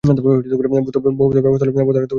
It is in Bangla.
ভৌত ব্যবস্থা হল পদার্থ ও শক্তির যুগ্ম বিন্যাস।